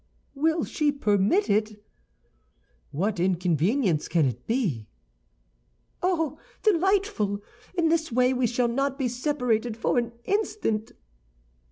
"Will she permit it?" "What inconvenience can it be?" "Oh, delightful! In this way we shall not be separated for an instant."